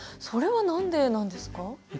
それは何でなんですか？